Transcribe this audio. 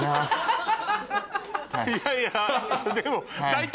いやいやでも大体。